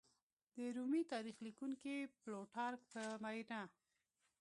د رومي تاریخ لیکونکي پلوټارک په وینا